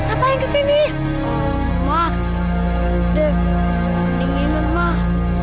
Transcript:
apa yang kesini mah